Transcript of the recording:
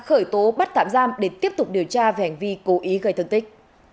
khởi tố bắt tạm giam để tiếp tục điều tra về hành vi cố ý gây thương tích